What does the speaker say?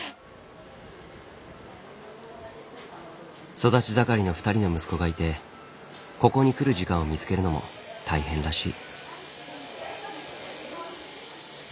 育ち盛りの２人の息子がいてここに来る時間を見つけるのも大変らしい。